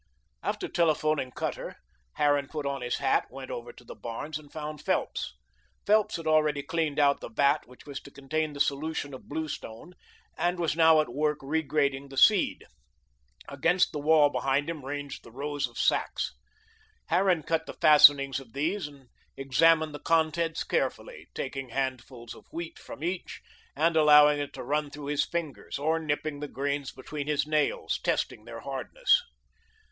After telephoning Cutter, Harran put on his hat, went over to the barns, and found Phelps. Phelps had already cleaned out the vat which was to contain the solution of blue stone, and was now at work regrading the seed. Against the wall behind him ranged the row of sacks. Harran cut the fastenings of these and examined the contents carefully, taking handfuls of wheat from each and allowing it to run through his fingers, or nipping the grains between his nails, testing their hardness.